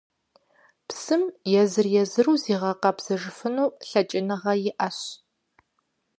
Псым езыр-езыру зигъэкъэбзэжыфыну лъэкӀыныгъэ иӀэщ.